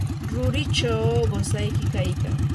rurichaw qusayki kaykan.